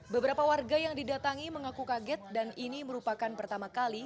beberapa warga yang didatangi mengaku kaget dan ini merupakan pertama kali